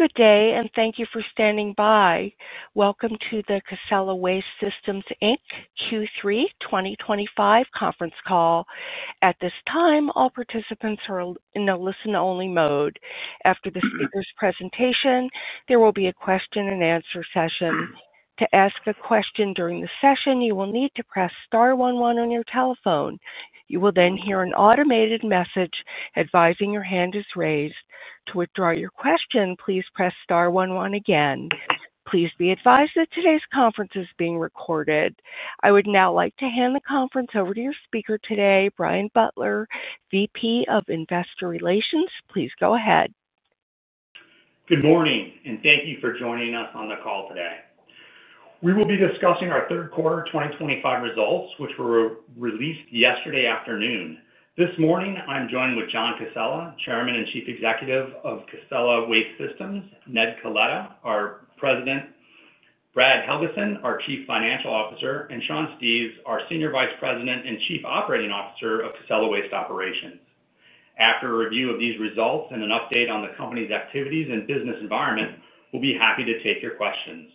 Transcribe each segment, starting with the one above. Good day, and thank you for standing by. Welcome to the Casella Waste Systems, Inc Q3 2025 conference call. At this time, all participants are in the listen-only mode. After the speaker's presentation, there will be a question-and-answer session. To ask a question during the session, you will need to press star one one on your telephone. You will then hear an automated message advising your hand is raised. To withdraw your question, please press star one one again. Please be advised that today's conference is being recorded. I would now like to hand the conference over to your speaker today, Brian Butler, Vice President of Investor Relations. Please go ahead. Good morning, and thank you for joining us on the call today. We will be discussing our third quarter 2025 results, which were released yesterday afternoon. This morning, I'm joined with John Casella, Chairman and Chief Executive of Casella Waste Systems, Ned Coletta, our President, Brad Helgeson, our Chief Financial Officer, and Sean Steves, our Senior Vice President and Chief Operating Officer of Casella Waste Operations. After a review of these results and an update on the company's activities and business environment, we'll be happy to take your questions.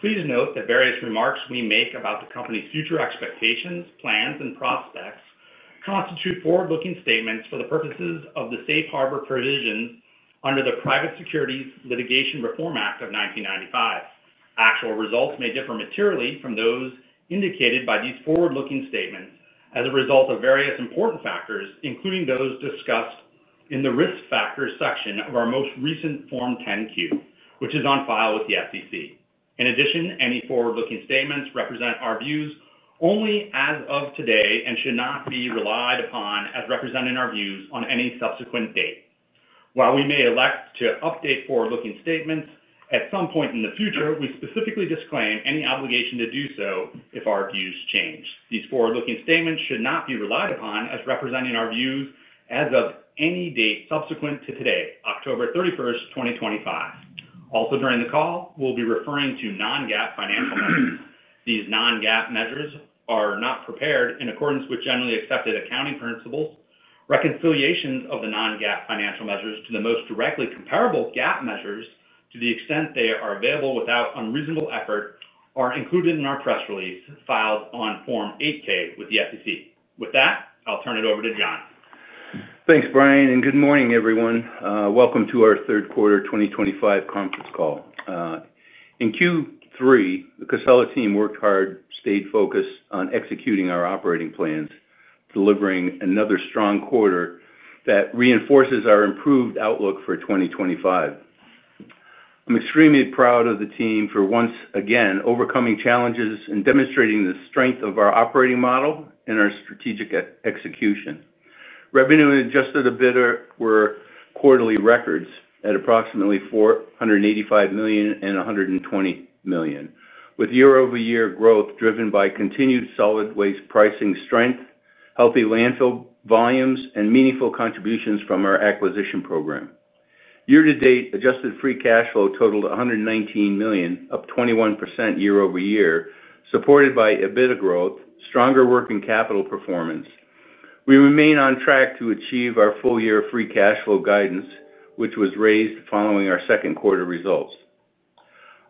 Please note that various remarks we make about the company's future expectations, plans, and prospects constitute forward-looking statements for the purposes of the safe harbor provisions under the Private Securities Litigation Reform Act of 1995. Actual results may differ materially from those indicated by these forward-looking statements as a result of various important factors, including those discussed in the risk factors section of our most recent Form 10-Q, which is on file with the SEC. In addition, any forward-looking statements represent our views only as of today and should not be relied upon as representing our views on any subsequent date. While we may elect to update forward-looking statements at some point in the future, we specifically disclaim any obligation to do so if our views change. These forward-looking statements should not be relied upon as representing our views as of any date subsequent to today, October 31, 2025. Also, during the call, we'll be referring to non-GAAP financial measures. These non-GAAP measures are not prepared in accordance with generally accepted accounting principles. Reconciliations of the non-GAAP financial measures to the most directly comparable GAAP measures, to the extent they are available without unreasonable effort, are included in our press release filed on Form 8-K with the SEC. With that, I'll turn it over to John. Thanks, Brian, and good morning, everyone. Welcome to our third quarter 2025 conference call. In Q3, the Casella team worked hard, stayed focused on executing our operating plans, delivering another strong quarter that reinforces our improved outlook for 2025. I'm extremely proud of the team for once again overcoming challenges and demonstrating the strength of our operating model and our strategic execution. Revenue and adjusted EBITDA were quarterly records at approximately $485 million and $120 million, with year-over-year growth driven by continued solid waste pricing strength, healthy landfill volumes, and meaningful contributions from our acquisition program. Year-to-date, adjusted free cash flow totaled $119 million, up 21% year-over-year, supported by EBITDA growth and stronger working capital performance. We remain on track to achieve our full-year free cash flow guidance, which was raised following our second quarter results.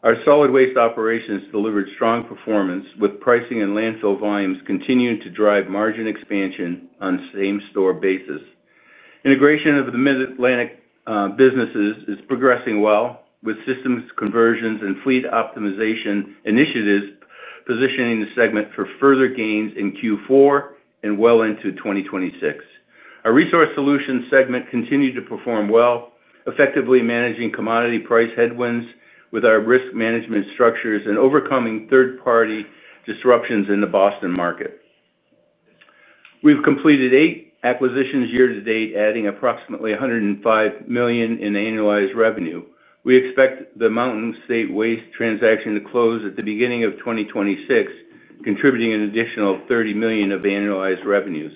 Our solid waste operations delivered strong performance, with pricing and landfill volumes continuing to drive margin expansion on a same-store basis. Integration of the Mid-Atlantic businesses is progressing well, with systems conversions and fleet optimization initiatives positioning the segment for further gains in Q4 and well into 2026. Our resource solutions segment continued to perform well, effectively managing commodity price headwinds with our risk management structures and overcoming third-party disruptions in the Boston market. We've completed eight acquisitions year-to-date, adding approximately $105 million in annualized revenue. We expect the Mountain State Waste transaction to close at the beginning of 2026, contributing an additional $30 million of annualized revenues.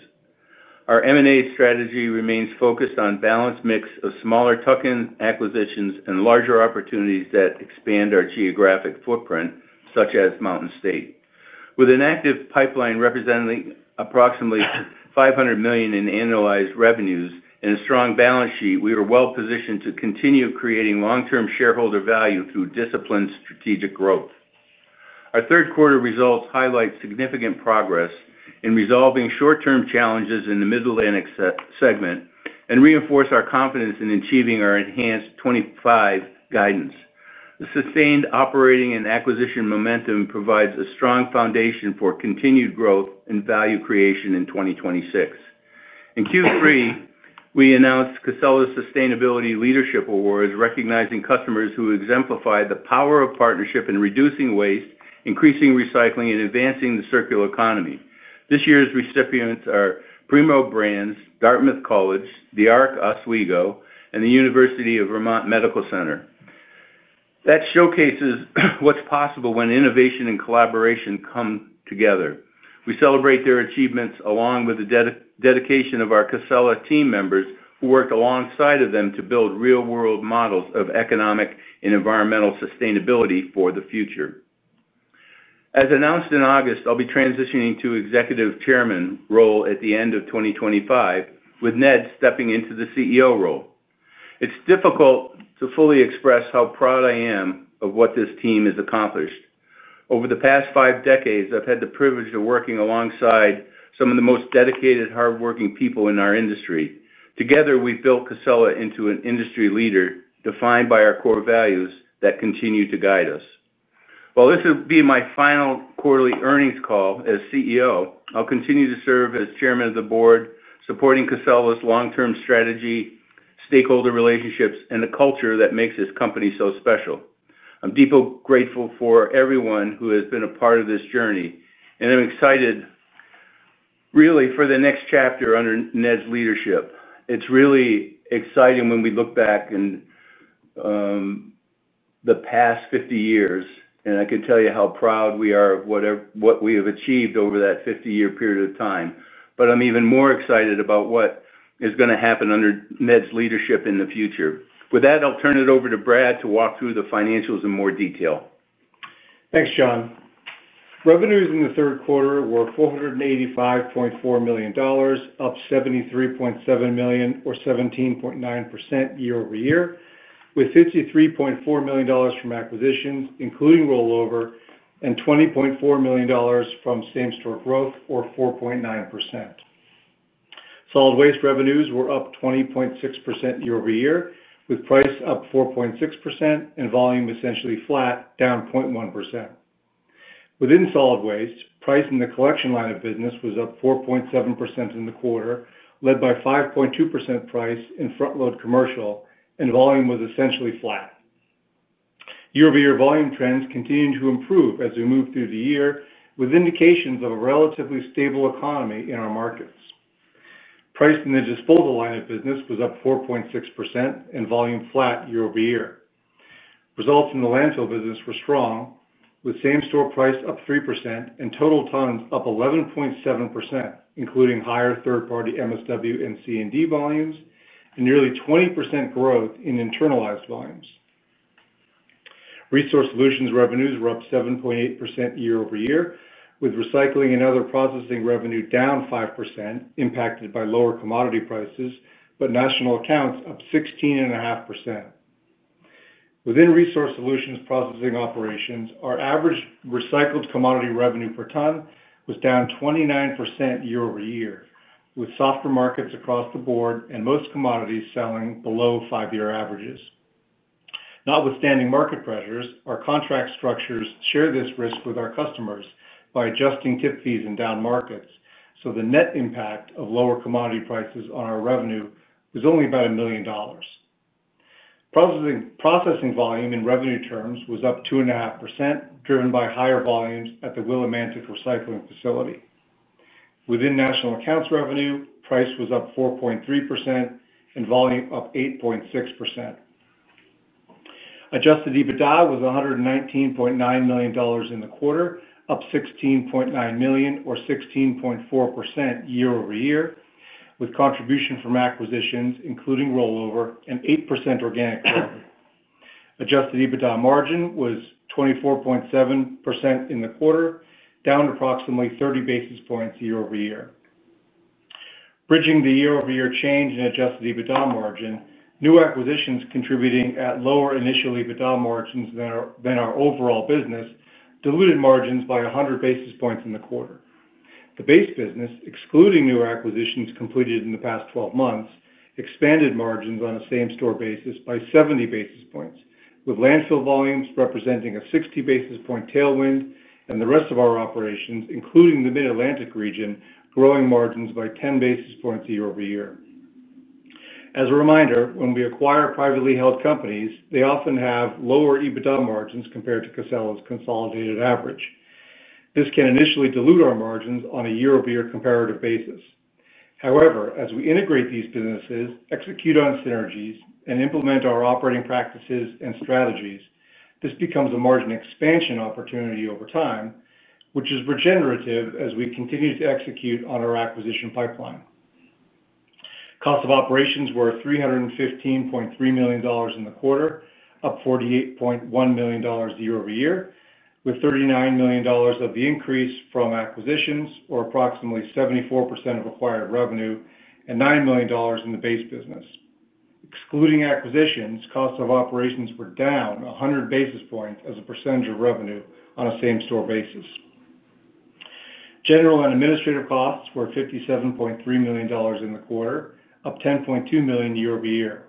Our M&A strategy remains focused on a balanced mix of smaller tuck-in acquisitions and larger opportunities that expand our geographic footprint, such as Mountain State. With an active pipeline representing approximately $500 million in annualized revenues and a strong balance sheet, we are well-positioned to continue creating long-term shareholder value through disciplined strategic growth. Our third quarter results highlight significant progress in resolving short-term challenges in the Mid-Atlantic segment and reinforce our confidence in achieving our enhanced 2025 guidance. The sustained operating and acquisition momentum provides a strong foundation for continued growth and value creation in 2026. In Q3, we announced Casella's Sustainability Leadership Awards, recognizing customers who exemplify the power of partnership in reducing waste, increasing recycling, and advancing the circular economy. This year's recipients are Primo Brands, Dartmouth College, The Arc Otsego, and the University of Vermont Medical Center. That showcases what's possible when innovation and collaboration come together. We celebrate their achievements along with the dedication of our Casella team members who worked alongside them to build real-world models of economic and environmental sustainability for the future. As announced in August, I'll be transitioning to Executive Chairman role at the end of 2025, with Ned stepping into the CEO role. It's difficult to fully express how proud I am of what this team has accomplished. Over the past five decades, I've had the privilege of working alongside some of the most dedicated, hardworking people in our industry. Together, we've built Casella into an industry leader defined by our core values that continue to guide us. While this will be my final quarterly earnings call as CEO, I'll continue to serve as Chairman of the Board, supporting Casella's long-term strategy, stakeholder relationships, and the culture that makes this company so special. I'm deeply grateful for everyone who has been a part of this journey, and I'm excited, really for the next chapter under Ned's leadership. It's really exciting when we look back in the past 50 years, and I can tell you how proud we are of what we have achieved over that 50-year period of time. I'm even more excited about what is going to happen under Ned's leadership in the future. With that, I'll turn it over to Brad to walk through the financials in more detail. Thanks, John. Revenues in the third quarter were $485.4 million, up $73.7 million, or 17.9% year-over-year, with $53.4 million from acquisitions, including rollover, and $20.4 million from same-store growth, or 4.9%. Solid waste revenues were up 20.6% year-over-year, with price up 4.6% and volume essentially flat, down 0.1%. Within solid waste, price in the collection line of business was up 4.7% in the quarter, led by 5.2% price in front-load commercial, and volume was essentially flat. Year-over-year volume trends continued to improve as we moved through the year, with indications of a relatively stable economy in our markets. Price in the disposal line of business was up 4.6% and volume flat year-over-year. Results in the landfill business were strong, with same-store price up 3% and total tons up 11.7%, including higher third-party MSW and C&D volumes, and nearly 20% growth in internalized volumes. Resource solutions revenues were up 7.8% year-over-year, with recycling and other processing revenue down 5%, impacted by lower commodity prices, but national accounts up 16.5%. Within resource solutions processing operations, our average recycled commodity revenue per ton was down 29% year-over-year, with softer markets across the board and most commodities selling below five-year averages. Notwithstanding market pressures, our contract structures share this risk with our customers by adjusting tip fees in down markets, so the net impact of lower commodity prices on our revenue was only about $1 million. Processing volume in revenue terms was up 2.5%, driven by higher volumes at the Willimantic recycling facility. Within national accounts revenue, price was up 4.3% and volume up 8.6%. Adjusted EBITDA was $119.9 million in the quarter, up $16.9 million, or 16.4% year-over-year, with contribution from acquisitions, including rollover, and 8% organic revenue. Adjusted EBITDA margin was 24.7% in the quarter, down approximately 30 basis points year-over-year. Bridging the year-over-year change in adjusted EBITDA margin, new acquisitions contributing at lower initial EBITDA margins than our overall business diluted margins by 100 basis points in the quarter. The base business, excluding new acquisitions completed in the past 12 months, expanded margins on a same-store basis by 70 basis points, with landfill volumes representing a 60-basis-point tailwind, and the rest of our operations, including the Mid-Atlantic region, growing margins by 10 basis points year-over-year. As a reminder, when we acquire privately held companies, they often have lower EBITDA margins compared to Casella's consolidated average. This can initially dilute our margins on a year-over-year comparative basis. However, as we integrate these businesses, execute on synergies, and implement our operating practices and strategies, this becomes a margin expansion opportunity over time, which is regenerative as we continue to execute on our acquisition pipeline. Cost of operations were $315.3 million in the quarter, up $48.1 million year-over-year, with $39 million of the increase from acquisitions, or approximately 74% of acquired revenue, and $9 million in the base business. Excluding acquisitions, cost of operations were down 100 basis points as a percentage of revenue on a same-store basis. General and administrative costs were $57.3 million in the quarter, up $10.2 million year-over-year.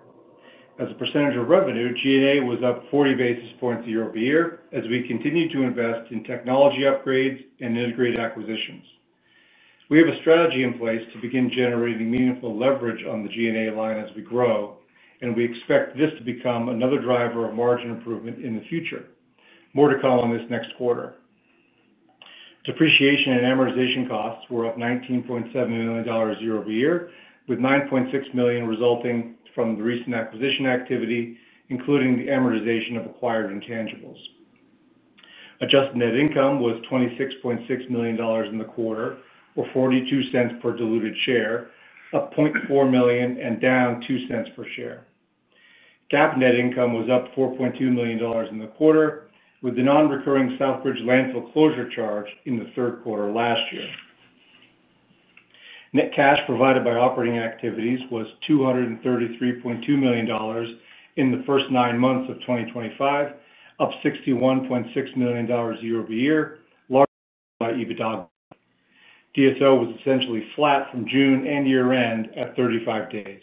As a percentage of revenue, G&A was up 40 basis points year-over-year as we continue to invest in technology upgrades and integrated acquisitions. We have a strategy in place to begin generating meaningful leverage on the G&A line as we grow, and we expect this to become another driver of margin improvement in the future. More to come on this next quarter. Depreciation and amortization costs were up $19.7 million year-over-year, with $9.6 million resulting from the recent acquisition activity, including the amortization of acquired intangibles. Adjusted net income was $26.6 million in the quarter, or $0.42 per diluted share, up $0.4 million and down $0.02 per share. GAAP net income was up $4.2 million in the quarter, with the non-recurring Southbridge landfill closure charge in the third quarter last year. Net cash provided by operating activities was $233.2 million in the first nine months of 2025, up $61.6 million year-over-year. DSO was essentially flat from June and year-end at 35 days.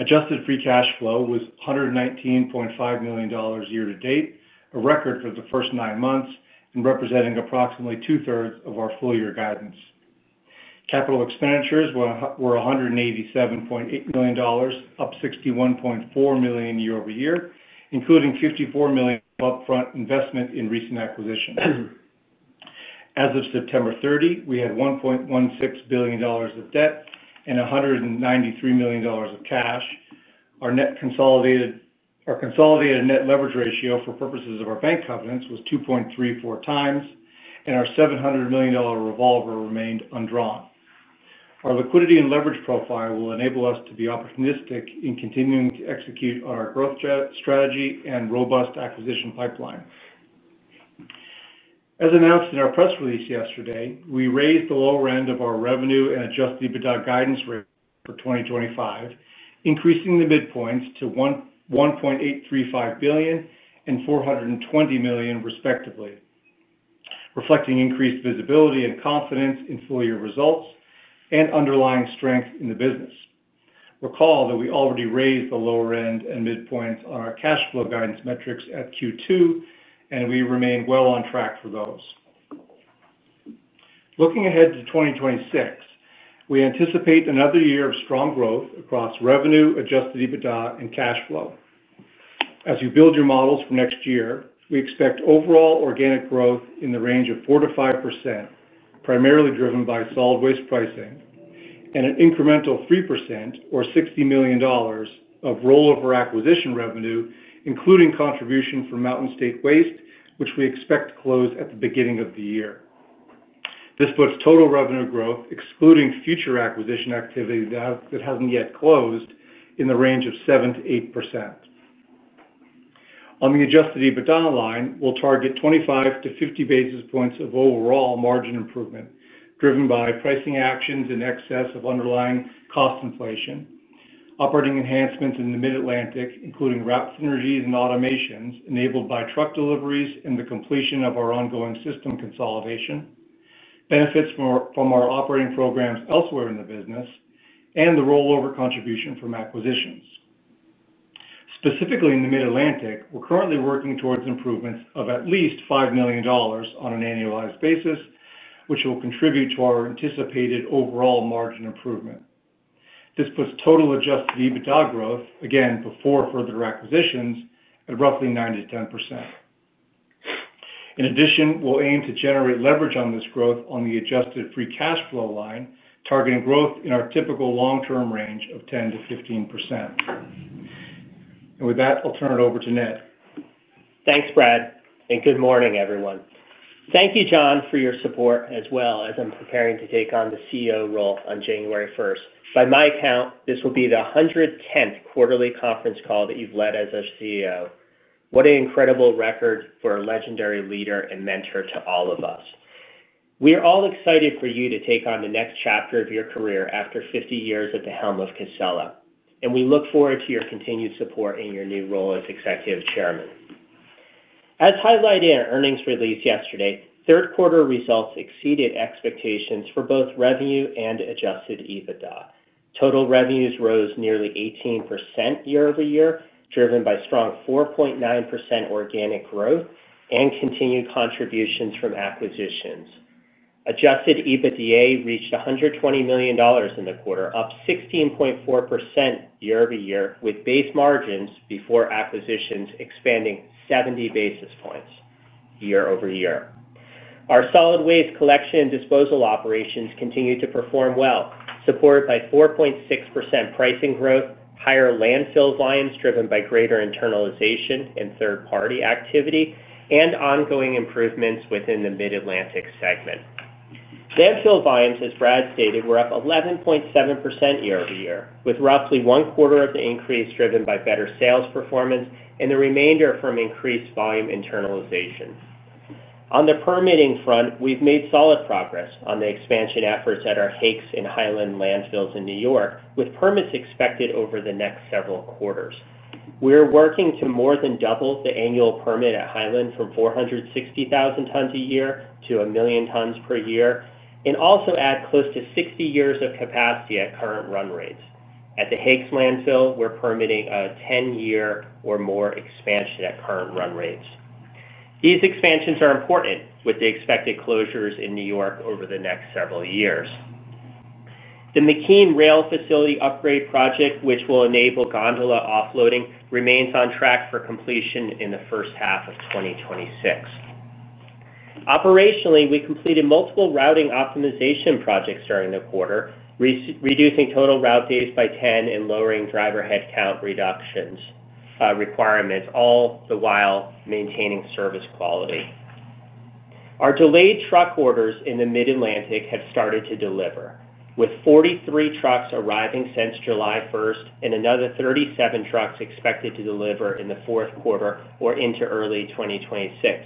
Adjusted free cash flow was $119.5 million year-to-date, a record for the first nine months and representing approximately two-thirds of our full-year guidance. Capital expenditures were $187.8 million, up $61.4 million year-over-year, including $54 million upfront investment in recent acquisitions. As of September 30, we had $1.16 billion of debt and $193 million of cash. Our net consolidated net leverage ratio for purposes of our bank covenants was 2.34x, and our $700 million revolver remained undrawn. Our liquidity and leverage profile will enable us to be opportunistic in continuing to execute on our growth strategy and robust acquisition pipeline. As announced in our press release yesterday, we raised the lower end of our revenue and adjusted EBITDA guidance rate for 2025, increasing the midpoints to $1.835 billion and $420 million, respectively, reflecting increased visibility and confidence in full-year results and underlying strength in the business. Recall that we already raised the lower end and midpoints on our cash flow guidance metrics at Q2, and we remain well on track for those. Looking ahead to 2026, we anticipate another year of strong growth across revenue, adjusted EBITDA, and cash flow. As you build your models for next year, we expect overall organic growth in the range of 4%-5%, primarily driven by solid waste pricing, and an incremental 3%, or $60 million, of rollover acquisition revenue, including contribution from Mountain State Waste, which we expect to close at the beginning of the year. This puts total revenue growth, excluding future acquisition activity that hasn't yet closed, in the range of 7%-8%. On the adjusted EBITDA line, we'll target 25 to 50 basis points of overall margin improvement, driven by pricing actions in excess of underlying cost inflation, operating enhancements in the Mid-Atlantic, including route synergies and automations enabled by truck deliveries and the completion of our ongoing system consolidation, benefits from our operating programs elsewhere in the business, and the rollover contribution from acquisitions. Specifically in the Mid-Atlantic, we're currently working towards improvements of at least $5 million on an annualized basis, which will contribute to our anticipated overall margin improvement. This puts total adjusted EBITDA growth, again before further acquisitions, at roughly 9%-0%. In addition, we'll aim to generate leverage on this growth on the adjusted free cash flow line, targeting growth in our typical long-term range of 10%-15%. With that, I'll turn it over to Ned. Thanks, Brad, and good morning, everyone. Thank you, John, for your support as well as in preparing to take on the CEO role on January 1. By my account, this will be the 110th quarterly conference call that you've led as our CEO. What an incredible record for a legendary leader and mentor to all of us. We are all excited for you to take on the next chapter of your career after 50 years at the helm of Casella, and we look forward to your continued support in your new role as Executive Chairman. As highlighted in our earnings release yesterday, third-quarter results exceeded expectations for both revenue and adjusted EBITDA. Total revenues rose nearly 18% year-over-year, driven by strong 4.9% organic growth and continued contributions from acquisitions. Adjusted EBITDA reached $120 million in the quarter, up 16.4% year-over-year, with base margins before acquisitions expanding 70 basis points year-over-year. Our solid waste collection and disposal operations continue to perform well, supported by 4.6% pricing growth, higher landfill volumes driven by greater internalization and third-party activity, and ongoing improvements within the Mid-Atlantic segment. Landfill volumes, as Brad stated, were up 11.7% year-over-year, with roughly one-quarter of the increase driven by better sales performance and the remainder from increased volume internalization. On the permitting front, we've made solid progress on the expansion efforts at our Hake’s and Highland landfills in New York, with permits expected over the next several quarters. We're working to more than double the annual permit at Highland from 460,000 tons a year to a million tons per year and also add close to 60 years of capacity at current run rates. At the Hake’s landfill, we're permitting a 10-year or more expansion at current run rates. These expansions are important with the expected closures in New York over the next several years. The McKean Rail Facility Upgrade Project, which will enable gondola offloading, remains on track for completion in the first half of 2026. Operationally, we completed multiple routing optimization projects during the quarter, reducing total route days by 10 and lowering driver headcount reductions, requirements, all the while maintaining service quality. Our delayed truck orders in the Mid-Atlantic have started to deliver, with 43 trucks arriving since July 1st and another 37 trucks expected to deliver in the fourth quarter or into early 2026.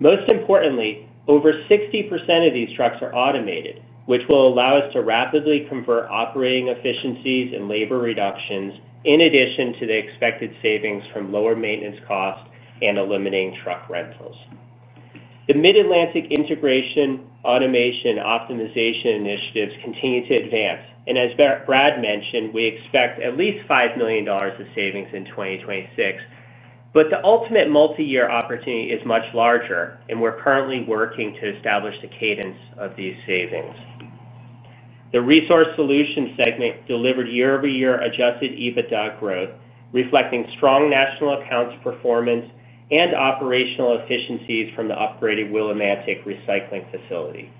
Most importantly, over 60% of these trucks are automated, which will allow us to rapidly convert operating efficiencies and labor reductions, in addition to the expected savings from lower maintenance costs and eliminating truck rentals. The Mid-Atlantic integration, automation, and optimization initiatives continue to advance, and as Brad mentioned, we expect at least $5 million of savings in 2026. The ultimate multi-year opportunity is much larger, and we're currently working to establish the cadence of these savings. The resource solutions segment delivered year-over-year adjusted EBITDA growth, reflecting strong national accounts performance and operational efficiencies from the upgraded Willimantic recycling facility.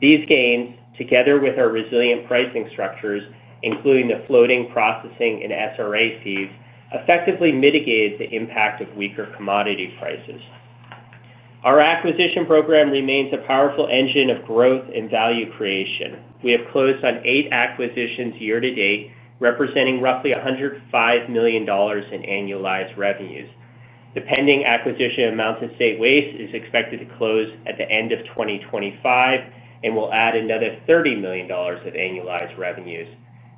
These gains, together with our resilient pricing structures, including the floating processing and SRA fees, effectively mitigated the impact of weaker commodity prices. Our acquisition program remains a powerful engine of growth and value creation. We have closed on eight acquisitions year-to-date, representing roughly $105 million in annualized revenues. The pending acquisition of Mountain State Waste is expected to close at the end of 2025 and will add another $30 million of annualized revenues.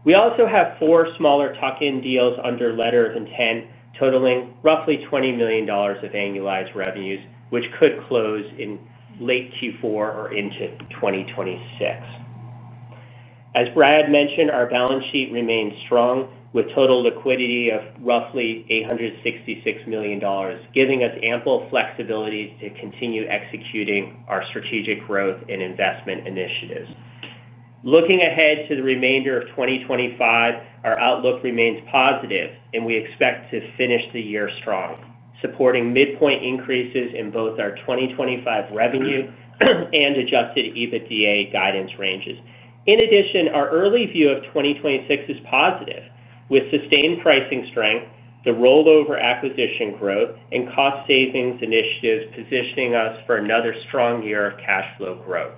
We also have four smaller tuck-in deals under letter of intent totaling roughly $20 million of annualized revenues, which could close in late Q4 or into 2026. As Brad mentioned, our balance sheet remains strong, with total liquidity of roughly $866 million, giving us ample flexibility to continue executing our strategic growth and investment initiatives. Looking ahead to the remainder of 2025, our outlook remains positive, and we expect to finish the year strong, supporting midpoint increases in both our 2025 revenue and adjusted EBITDA guidance ranges. In addition, our early view of 2026 is positive, with sustained pricing strength, the rollover acquisition growth, and cost savings initiatives positioning us for another strong year of cash flow growth.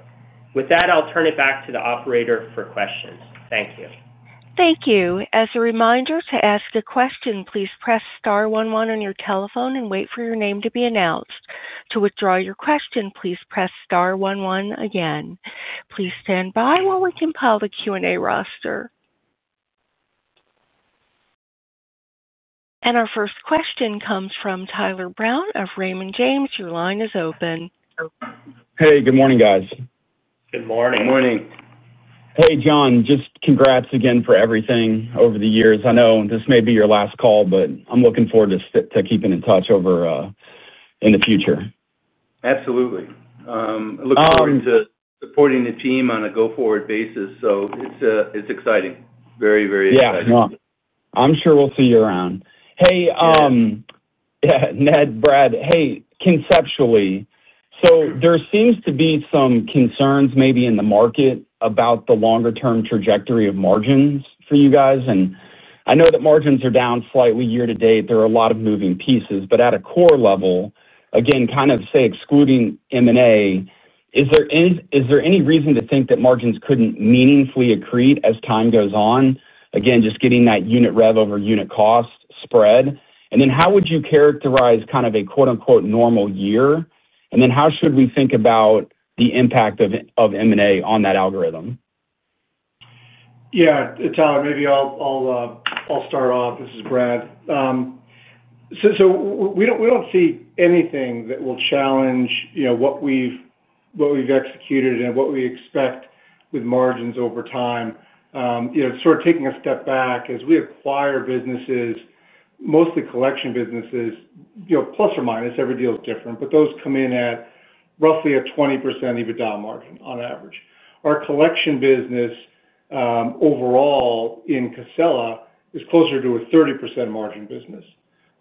With that, I'll turn it back to the operator for questions. Thank you. Thank you. As a reminder, to ask a question, please press star one one on your telephone and wait for your name to be announced. To withdraw your question, please press star one one again. Please stand by while we compile the Q&A roster. Our first question comes from Tyler Brown of Raymond James. Your line is open. Hey, good morning, guys. Good morning. Good morning. Hey, John, just congrats again for everything over the years. I know this may be your last call, but I'm looking forward to keeping in touch in the future. Absolutely. Looking forward to supporting the team on a go-forward basis. It's exciting, very, very exciting. Yeah, John. I'm sure we'll see you around. Hey, Ned, Brad, hey, conceptually, there seems to be some concerns maybe in the market about the longer-term trajectory of margins for you guys. I know that margins are down slightly year-to-date. There are a lot of moving pieces. At a core level, again, kind of say excluding M&A, is there any reason to think that margins couldn't meaningfully accrete as time goes on? Again, just getting that unit rev over unit cost spread. How would you characterize kind of a "normal year"? How should we think about the impact of M&A on that algorithm? Yeah, Tyler, maybe I'll start off. This is Brad. We don't see anything that will challenge what we've executed and what we expect with margins over time. Taking a step back, as we acquire businesses, mostly collection businesses, plus or minus, every deal is different, but those come in at roughly a 20% EBITDA margin on average. Our collection business overall in Casella is closer to a 30% margin business.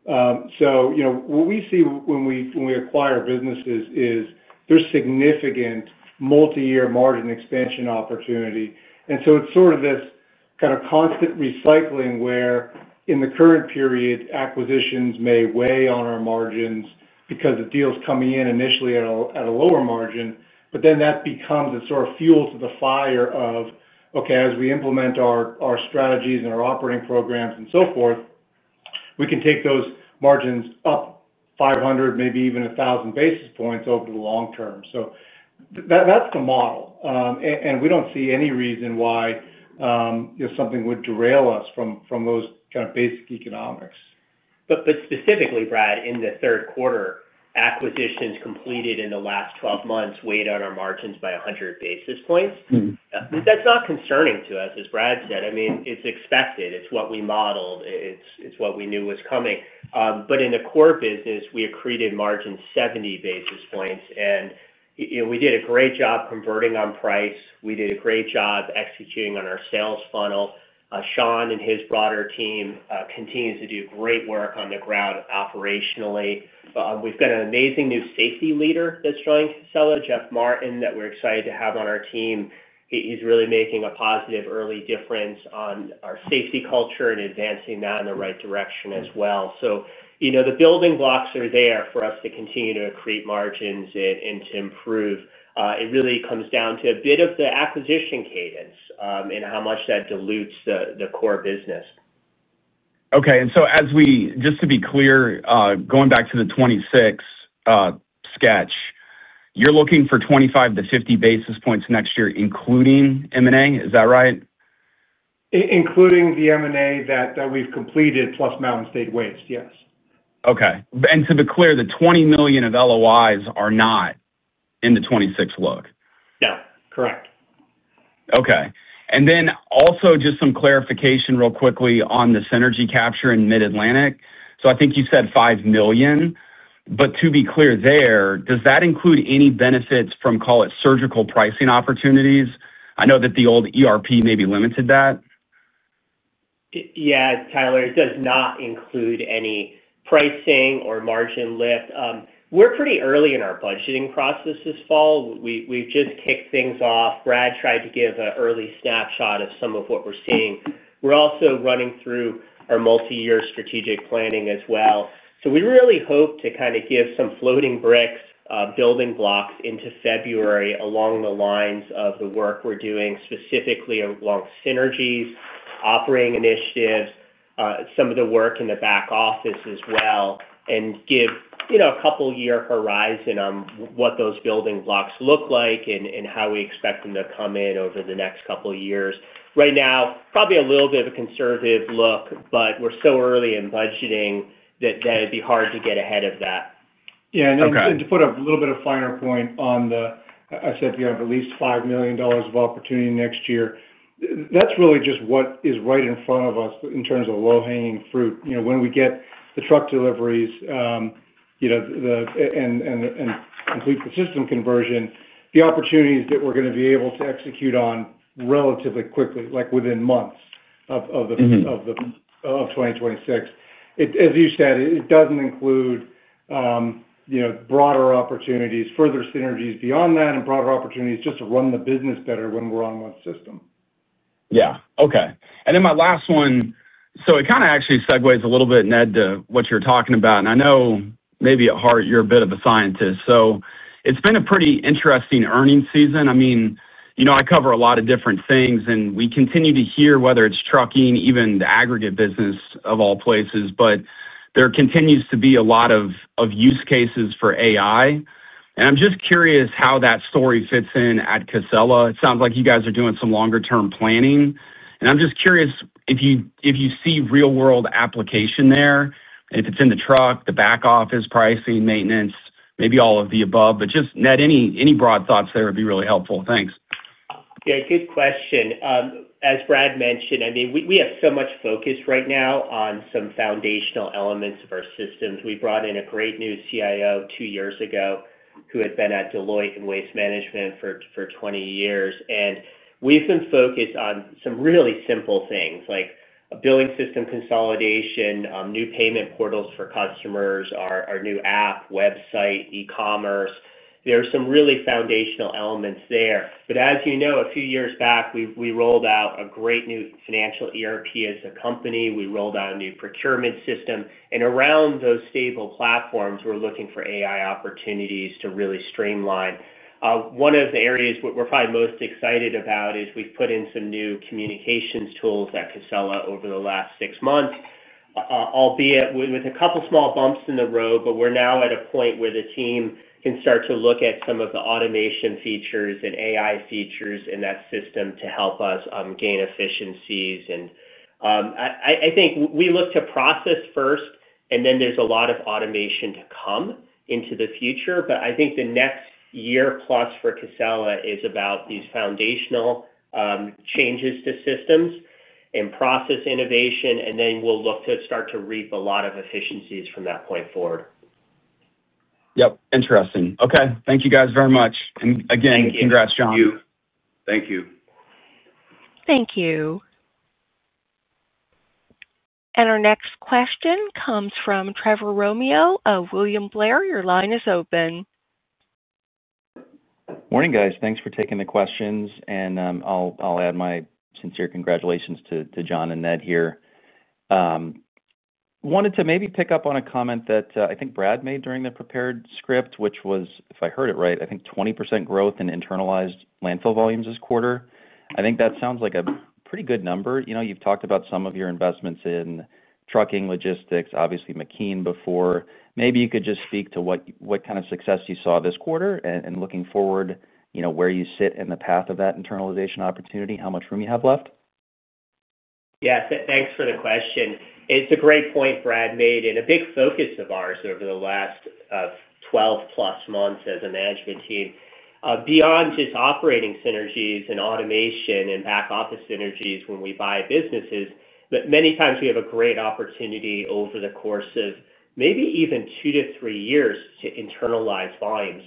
What we see when we acquire businesses is there's significant multi-year margin expansion opportunity. It's this kind of constant recycling where in the current period, acquisitions may weigh on our margins because the deals come in initially at a lower margin, but then that becomes fuel to the fire of, okay, as we implement our strategies and our operating programs and so forth, we can take those margins up 500, maybe even 1,000 basis points over the long-term. That's the model. We don't see any reason why something would derail us from those kind of basic economics. Specifically, Brad, in the third quarter, acquisitions completed in the last 12 months weighed on our margins by 100 basis points. That's not concerning to us, as Brad said. It's expected. It's what we modeled. It's what we knew was coming. In the core business, we accreted margin 70 basis points, and we did a great job converting on price. We did a great job executing on our sales funnel. Sean and his broader team continue to do great work on the ground operationally. We've got an amazing new safety leader that's joined Casella, Jeff Martin, that we're excited to have on our team. He's really making a positive early difference on our safety culture and advancing that in the right direction as well. The building blocks are there for us to continue to accrete margins and to improve. It really comes down to a bit of the acquisition cadence and how much that dilutes the core business. Okay. Just to be clear, going back to the 2026 sketch, you're looking for 25 basis point to 50 basis points next year, including M&A? Is that right? Including the M&A that we've completed, plus Mountain State Waste, yes. Okay. To be clear, the $20 million of LOIs are not in the 2026 look? No. Correct. Okay. Also, just some clarification real quickly on the synergy capture in the Mid-Atlantic. I think you said $5 million. To be clear there, does that include any benefits from, call it, surgical pricing opportunities? I know that the old ERP maybe limited that. Yeah, Tyler, it does not include any pricing or margin lift. We're pretty early in our budgeting process this fall. We've just kicked things off. Brad tried to give an early snapshot of some of what we're seeing. We're also running through our multi-year strategic planning as well. We really hope to kind of give some floating bricks, building blocks into February along the lines of the work we're doing, specifically along synergies, operating initiatives, some of the work in the back office as well, and give a couple-year horizon on what those building blocks look like and how we expect them to come in over the next couple of years. Right now, probably a little bit of a conservative look, but we're so early in budgeting that it'd be hard to get ahead of that. To put a little bit of a finer point on it, I said we have at least $5 million of opportunity next year. That's really just what is right in front of us in terms of low-hanging fruit. When we get the truck deliveries and complete the system conversion, the opportunities that we're going to be able to execute on relatively quickly, like within months of 2026. As you said, it doesn't include broader opportunities, further synergies beyond that, and broader opportunities just to run the business better when we're on one system. Yeah. Okay. My last one actually segues a little bit, Ned, to what you're talking about. I know maybe at heart, you're a bit of a scientist. It's been a pretty interesting earning season. I mean, I cover a lot of different things, and we continue to hear whether it's trucking, even the aggregate business of all places, there continues to be a lot of use cases for AI. I'm just curious how that story fits in at Casella. It sounds like you guys are doing some longer-term planning. I'm just curious if you see real-world application there, if it's in the truck, the back office, pricing, maintenance, maybe all of the above. Ned, any broad thoughts there would be really helpful. Thanks. Yeah. Good question. As Brad mentioned, I mean, we have so much focus right now on some foundational elements of our systems. We brought in a great new CIO two years ago who had been at Deloitte and Waste Management for 20 years. We've been focused on some really simple things like a billing system consolidation, new payment portals for customers, our new app, website, e-commerce. There are some really foundational elements there. As you know, a few years back, we rolled out a great new financial ERP as a company. We rolled out a new procurement system. Around those stable platforms, we're looking for AI opportunities to really streamline. One of the areas we're probably most excited about is we've put in some new communications tools at Casella over the last six months, albeit with a couple of small bumps in the road, but we're now at a point where the team can start to look at some of the automation features and AI features in that system to help us gain efficiencies. I think we look to process first, and then there's a lot of automation to come into the future. I think the next year plus for Casella is about these foundational changes to systems and process innovation, and then we'll look to start to reap a lot of efficiencies from that point forward. Yep. Interesting. Okay. Thank you guys very much. Again, congrats, John. Thank you. Thank you. Thank you. Our next question comes from Trevor Romeo of William Blair. Your line is open. Morning, guys. Thanks for taking the questions. I'll add my sincere congratulations to John and Ned here. Wanted to maybe pick up on a comment that I think Brad made during the prepared script, which was, if I heard it right, I think 20% growth in internalized landfill volumes this quarter. I think that sounds like a pretty good number. You've talked about some of your investments in trucking, logistics, obviously McKean before. Maybe you could just speak to what kind of success you saw this quarter and, looking forward, where you sit in the path of that internalization opportunity, how much room you have left. Yes. Thanks for the question. It's a great point Brad made and a big focus of ours over the last 12-plus months as a management team. Beyond just operating synergies and automation and back office synergies when we buy businesses, many times we have a great opportunity over the course of maybe even two to three years to internalize volumes.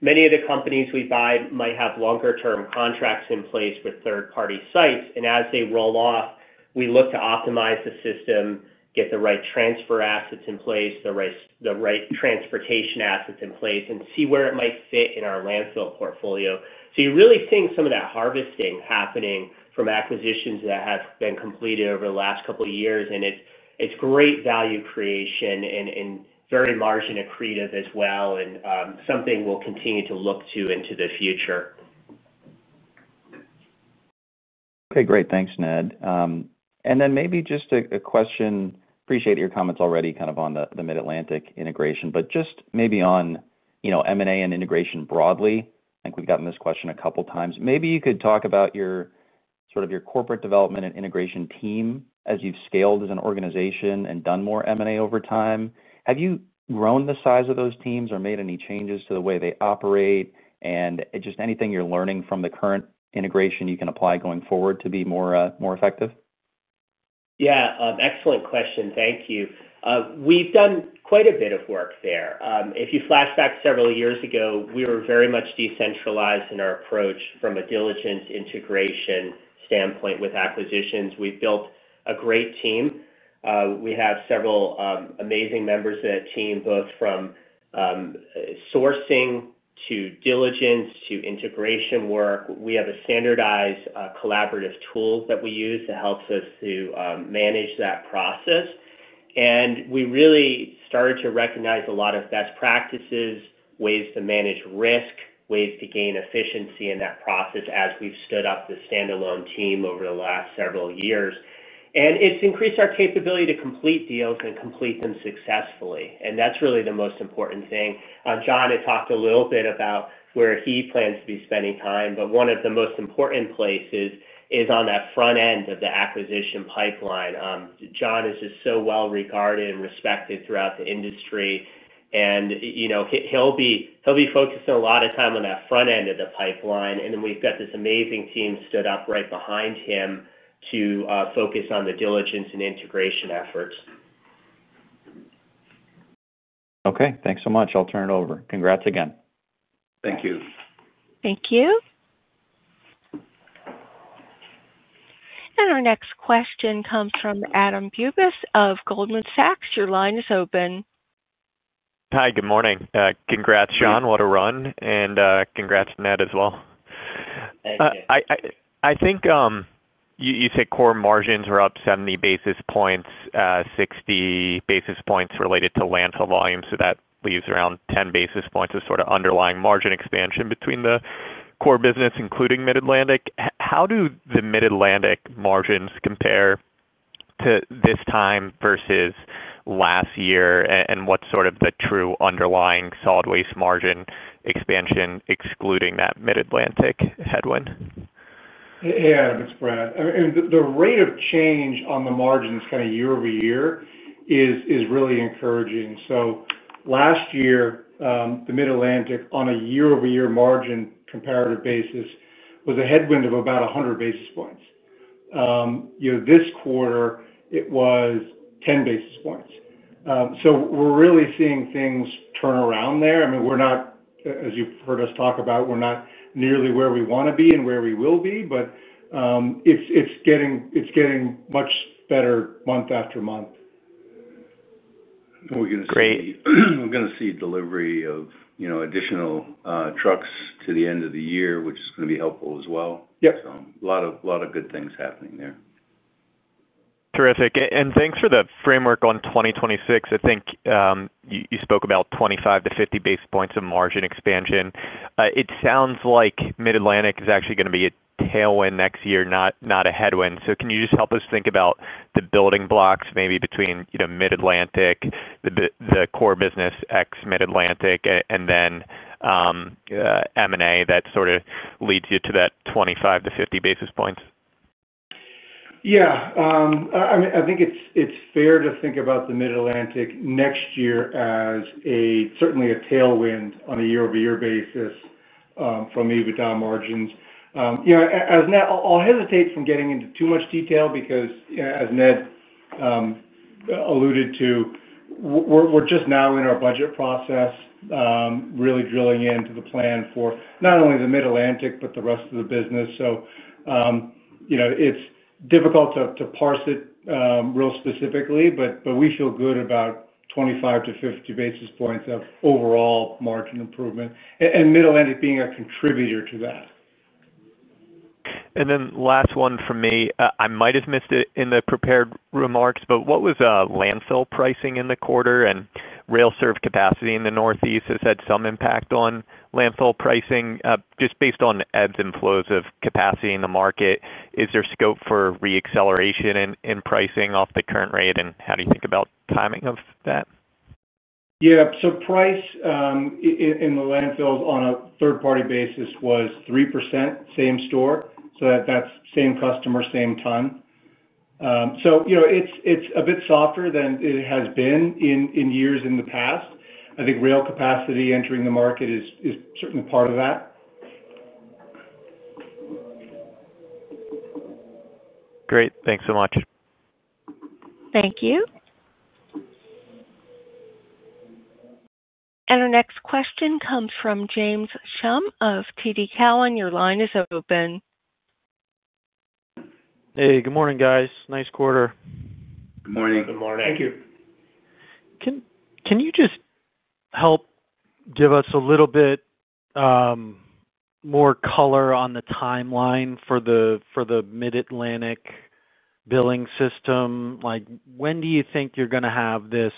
Many of the companies we buy might have longer-term contracts in place with third-party sites. As they roll off, we look to optimize the system, get the right transfer assets in place, the right transportation assets in place, and see where it might fit in our landfill portfolio. You're really seeing some of that harvesting happening from acquisitions that have been completed over the last couple of years. It's great value creation and very margin accretive as well and something we'll continue to look to into the future. Okay. Great. Thanks, Ned. Maybe just a question. Appreciate your comments already kind of on the Mid-Atlantic integration, but just maybe on M&A and integration broadly. I think we've gotten this question a couple of times. Maybe you could talk about sort of your corporate development and integration team as you've scaled as an organization and done more M&A over time. Have you grown the size of those teams or made any changes to the way they operate? Anything you're learning from the current integration you can apply going forward to be more effective? Yeah. Excellent question. Thank you. We've done quite a bit of work there. If you flashback several years ago, we were very much decentralized in our approach from a diligence integration standpoint with acquisitions. We've built a great team. We have several amazing members of that team, both from sourcing to diligence to integration work. We have a standardized collaborative tool that we use that helps us to manage that process. We really started to recognize a lot of best practices, ways to manage risk, ways to gain efficiency in that process as we've stood up the standalone team over the last several years. It's increased our capability to complete deals and complete them successfully. That's really the most important thing. John had talked a little bit about where he plans to be spending time. One of the most important places is on that front end of the acquisition pipeline. John is just so well regarded and respected throughout the industry. He'll be focusing a lot of time on that front end of the pipeline. We've got this amazing team stood up right behind him to focus on the diligence and integration efforts. Okay, thanks so much. I'll turn it over. Congrats again. Thank you. Thank you. Our next question comes from Adam Bubes of Goldman Sachs. Your line is open. Hi. Good morning. Congrats, Sean. What a run. Congrats, Ned, as well. I think you said core margins are up 70 basis points, 60 basis points related to landfill volume. That leaves around 10 basis points of underlying margin expansion between the core business, including Mid-Atlantic. How do the Mid-Atlantic margins compare to this time versus last year? What's the true underlying solid waste margin expansion, excluding that Mid-Atlantic headwind? Yeah. It's Brad. I mean, the rate of change on the margins year-over-year is really encouraging. Last year, the Mid-Atlantic, on a year-over-year margin comparative basis, was a headwind of about 100 basis points. This quarter, it was 10 basis points. We're really seeing things turn around there. I mean, as you've heard us talk about, we're not nearly where we want to be and where we will be, but it's getting much better month after month. We're going to see delivery of additional trucks to the end of the year, which is going to be helpful as well. A lot of good things happening there. Terrific. Thanks for the framework on 2026. I think you spoke about 25 basis point to 50 basis points of margin expansion. It sounds like Mid-Atlantic is actually going to be a tailwind next year, not a headwind. Can you just help us think about the building blocks, maybe between Mid-Atlantic, the core business x Mid-Atlantic, and then M&A that sort of leads you to that 25 basis point to 50 basis points? Yeah. I mean, I think it's fair to think about the Mid-Atlantic next year as certainly a tailwind on a year-over-year basis from EBITDA margins. As Ned alluded to, we're just now in our budget process, really drilling into the plan for not only the Mid-Atlantic, but the rest of the business. It's difficult to parse it real specifically, but we feel good about 25 to 50 basis points of overall margin improvement and Mid-Atlantic being a contributor to that. Last one for me. I might have missed it in the prepared remarks, but what was landfill pricing in the quarter and rail-served capacity in the Northeast? Has that some impact on landfill pricing? Just based on ebbs and flows of capacity in the market, is there scope for re-acceleration in pricing off the current rate? How do you think about timing of that? Yeah. So price in the landfills on a third-party basis was 3% same store. That's same customer, same ton. It's a bit softer than it has been in years in the past. I think rail capacity entering the market is certainly part of that. Great, thanks so much. Thank you. Our next question comes from James Schumm of TD Cowen. Your line is open. Hey, good morning, guys. Nice quarter. Good morning. Good morning. Thank you. Can you just help give us a little bit more color on the timeline for the Mid-Atlantic billing system? When do you think you're going to have this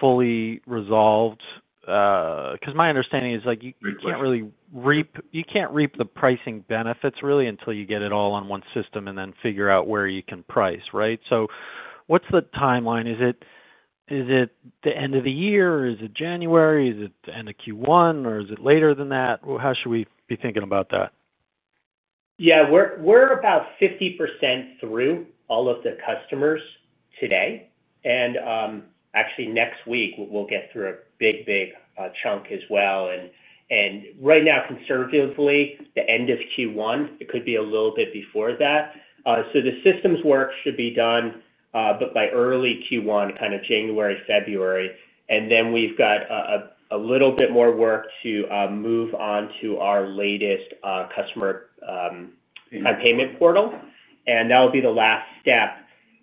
fully resolved? My understanding is you can't really reap the pricing benefits until you get it all on one system and then figure out where you can price, right? What's the timeline? Is it the end of the year? Is it January? Is it the end of Q1, or is it later than that? How should we be thinking about that? Yeah. We're about 50% through all of the customers today. Actually, next week, we'll get through a big, big chunk as well. Right now, conservatively, the end of Q1. It could be a little bit before that. The systems work should be done by early Q1, kind of January, February. We've got a little bit more work to move on to our latest customer payment portal, and that will be the last step.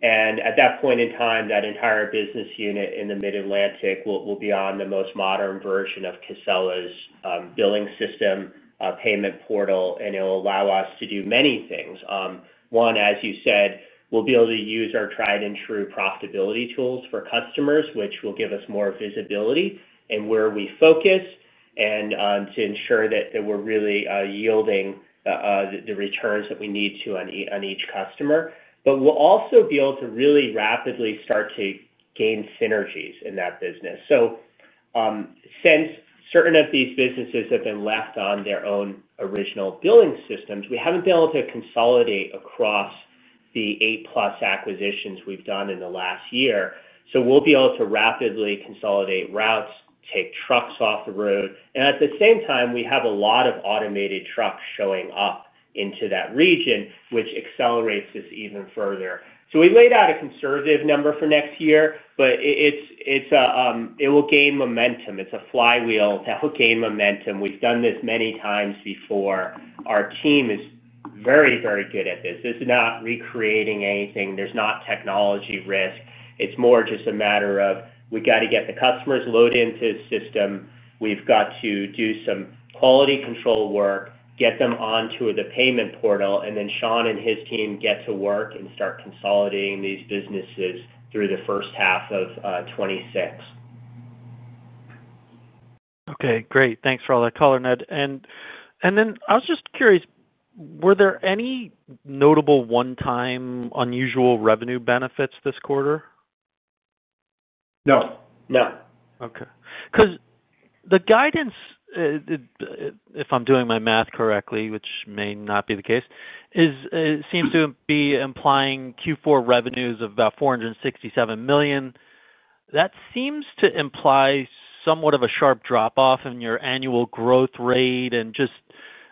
At that point in time, that entire business unit in the Mid-Atlantic will be on the most modern version of Casella's billing system and payment portal, and it'll allow us to do many things. One, as you said, we'll be able to use our tried-and-true profitability tools for customers, which will give us more visibility in where we focus and to ensure that we're really yielding the returns that we need to on each customer. We'll also be able to really rapidly start to gain synergies in that business. Since certain of these businesses have been left on their own original billing systems, we haven't been able to consolidate across the eight-plus acquisitions we've done in the last year. We'll be able to rapidly consolidate routes, take trucks off the road. At the same time, we have a lot of automated trucks showing up into that region, which accelerates this even further. We laid out a conservative number for next year, but it will gain momentum. It's a flywheel that will gain momentum. We've done this many times before. Our team is very, very good at this. This is not recreating anything. There's not technology risk. It's more just a matter of we've got to get the customers loaded into the system. We've got to do some quality control work, get them onto the payment portal, and then Sean and his team get to work and start consolidating these businesses through the first half of 2026. Okay. Great. Thanks for all that color, Ned. I was just curious, were there any notable one-time unusual revenue benefits this quarter? No. No. Okay. Because the guidance, if I'm doing my math correctly, which may not be the case, seems to be implying Q4 revenues of about $467 million. That seems to imply somewhat of a sharp drop-off in your annual growth rate.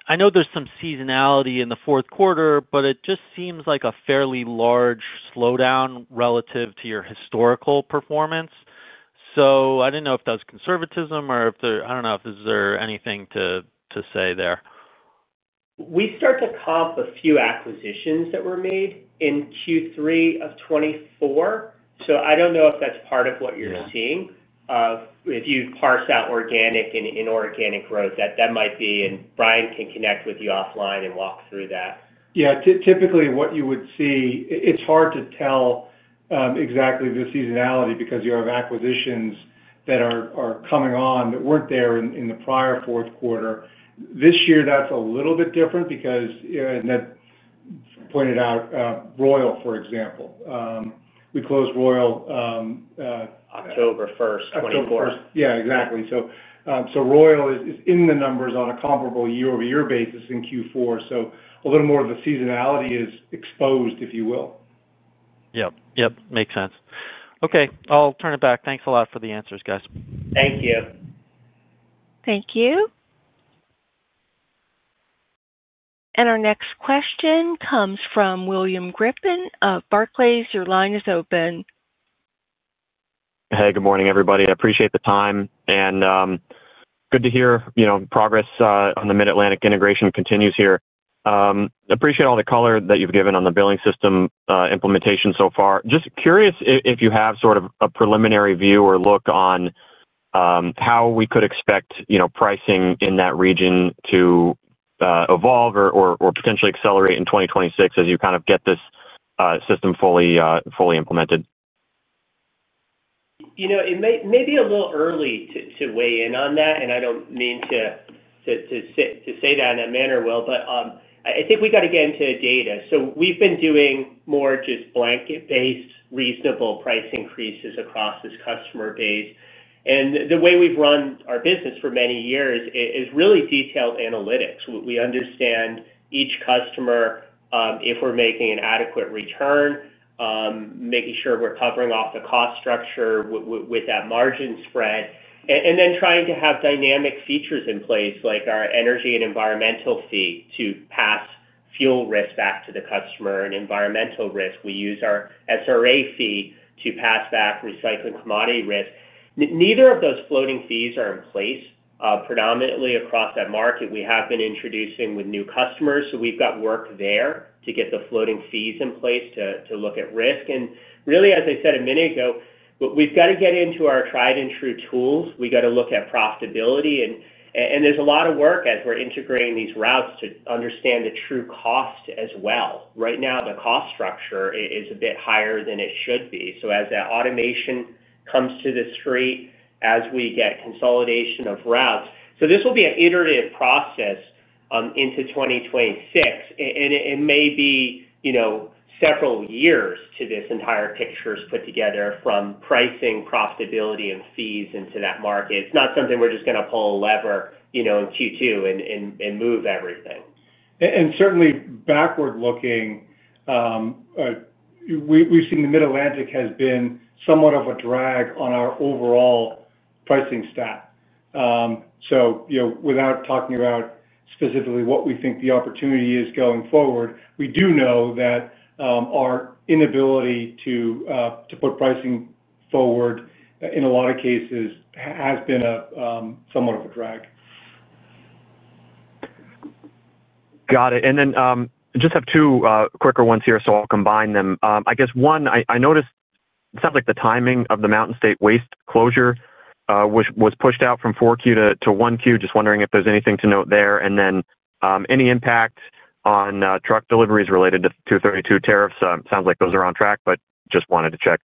I know there's some seasonality in the fourth quarter, but it just seems like a fairly large slowdown relative to your historical performance. I didn't know if that was conservatism or if there is anything to say there. We start to comp a few acquisitions that were made in Q3 of 2024. I don't know if that's part of what you're seeing. If you parse out organic and inorganic growth, that might be, and Brad can connect with you offline and walk through that. Yeah. Typically, what you would see, it's hard to tell exactly the seasonality because you have acquisitions that are coming on that weren't there in the prior fourth quarter. This year, that's a little bit different because Ned pointed out Royal, for example. We closed Royal. October 1, 2024. October 1. Yeah, exactly. Royal is in the numbers on a comparable year-over-year basis in Q4, so a little more of the seasonality is exposed, if you will. Yep. Yep. Makes sense. Okay, I'll turn it back. Thanks a lot for the answers, guys. Thank you. Thank you. Our next question comes from William Grippin of Barclays. Your line is open. Good morning, everybody. I appreciate the time. Good to hear progress on the Mid-Atlantic integration continues here. I appreciate all the color that you've given on the billing system implementation so far. Just curious if you have sort of a preliminary view or look on how we could expect pricing in that region to evolve or potentially accelerate in 2026 as you kind of get this system fully implemented. It may be a little early to weigh in on that. I do not mean to say that in that manner, Will, but I think we have to get into data. We have been doing more just blanket-based reasonable price increases across this customer base. The way we have run our business for many years is really detailed analytics. We understand each customer, if we are making an adequate return, making sure we are covering off the cost structure with that margin spread, and then trying to have dynamic features in place like our energy and environmental fee to pass fuel risk back to the customer and environmental risk. We use our SRA fee to pass back recycling commodity risk. Neither of those floating fees are in place. Predominantly across that market, we have been introducing with new customers. We have work there to get the floating fees in place to look at risk. As I said a minute ago, we have to get into our tried-and-true tools. We have to look at profitability. There is a lot of work as we are integrating these routes to understand the true cost as well. Right now, the cost structure is a bit higher than it should be. As that automation comes to the street, as we get consolidation of routes, this will be an iterative process into 2026. It may be several years until this entire picture is put together from pricing, profitability, and fees into that market. It is not something we are just going to pull a lever in Q2 and move everything. Certainly, backward-looking, we've seen the Mid-Atlantic has been somewhat of a drag on our overall pricing stat. Without talking about specifically what we think the opportunity is going forward, we do know that our inability to put pricing forward in a lot of cases has been somewhat of a drag. Got it. I just have two quicker ones here, so I'll combine them. I guess one, I noticed it sounds like the timing of the Mountain State Waste closure was pushed out from 4Q to 1Q. Just wondering if there's anything to note there. Any impact on truck deliveries related to 232 tariffs? Sounds like those are on track, but just wanted to check.